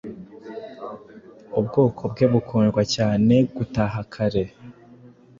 Ubwoko bwe bukundwa cyane gutaha kare